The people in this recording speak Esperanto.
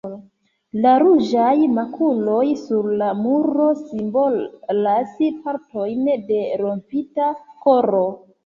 La ruĝaj makuloj sur la muro simbolas partojn de rompita koro.